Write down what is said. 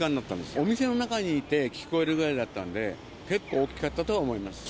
お店の中にいて聞こえるぐらいだったんで、結構大きかったとは思います。